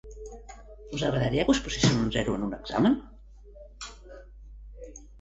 Us agradaria que us posessin un zero en un examen?